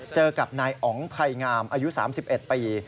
เจอกับนายอ๋องไทยงามอายุ๓๑ปี